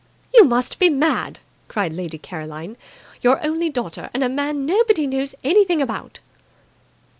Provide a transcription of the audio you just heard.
"You must be mad!" cried Lady Caroline. "Your only daughter and a man nobody knows anything about!"